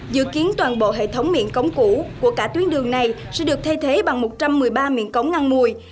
dự kiến toàn bộ hệ thống miệng cống cũ của cả tuyến đường này sẽ được thay thế bằng một trăm một mươi ba miệng cống ngăn mùi